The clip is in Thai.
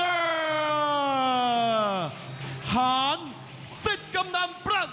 โอ้โหเดือดจริงครับ